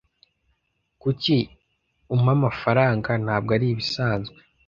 Kuki umpa amafaranga? Ntabwo ari ibisanzwe.